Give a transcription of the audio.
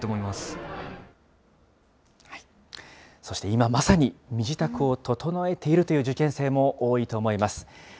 そして今まさに、身支度を整えているという受験生も多いと思います。